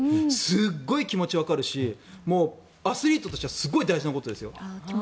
すごい気持ちがわかるしアスリートとしてはすごい大事なことですよ。